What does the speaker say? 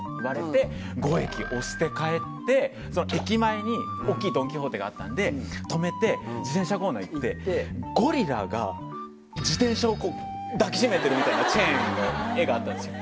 駅前に大っきいドン・キホーテがあったんで止めて自転車コーナー行ってゴリラが自転車を抱き締めてるみたいなチェーンの絵があったんですよ。